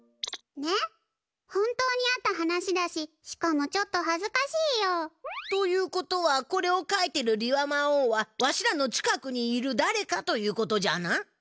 ねっ本当にあった話だししかもちょっとはずかしいよ。ということはこれを書いてるリワマオーはわしらの近くにいるだれかということじゃな。